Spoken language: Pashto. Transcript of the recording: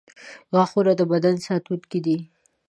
• غاښونه د بدن ساتونکي دي.